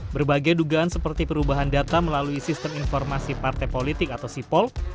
berbagai dugaan seperti perubahan data melalui sistem informasi partai politik atau sipol